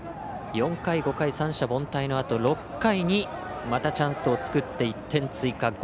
４回、５回、三者凡退のあと６回にまたチャンスを作って１点追加。